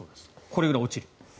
これぐらい落ちる。